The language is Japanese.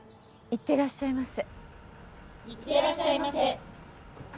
いってらっしゃいませ。